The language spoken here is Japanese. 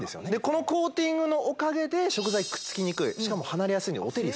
このコーティングのおかげで食材くっつきにくいしかも離れやすいんでお手入れ